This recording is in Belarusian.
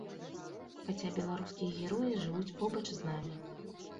Хаця беларускія героі жывуць побач з намі.